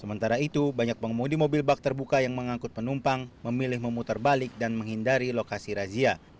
sementara itu banyak pengemudi mobil bak terbuka yang mengangkut penumpang memilih memutar balik dan menghindari lokasi razia